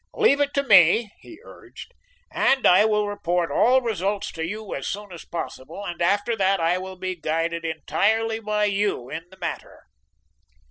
Leave it to me," he urged, "and I will report all results to you as soon as possible, and after that I will be guided entirely by you in the matter."